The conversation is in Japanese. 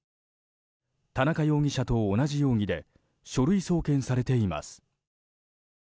田中容疑者と同じ容疑で書類送検されています。